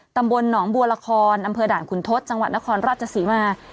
ตำบลหนองบัวละครอำเภอด่านขุนทศจังหวัดนครราชศรีมา